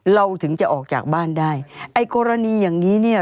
เราถึงจะออกจากบ้านได้ไอ้กรณีอย่างนี้เนี่ย